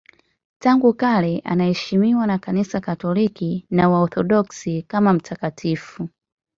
Tangu kale anaheshimiwa na Kanisa Katoliki na Waorthodoksi kama mtakatifu.